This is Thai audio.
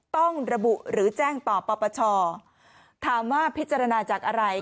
ต้องระบุหรือแจ้งต่อปปชถามว่าพิจารณาจากอะไร